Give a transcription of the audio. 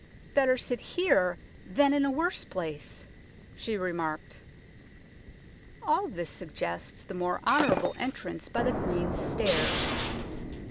" Better sit here than in a worse place," she remarked. All this suggests the more honourable entrance by the Queen's Stairs.